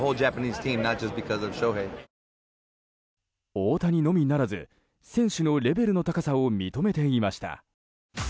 大谷のみならず、選手のレベルの高さを認めていました。